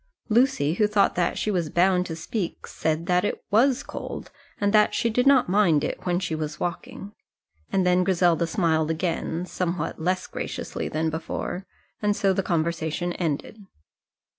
Lucy, who thought that she was bound to speak, said that it was cold, but that she did not mind it when she was walking. And then Griselda smiled again, somewhat less graciously than before, and so the conversation ended.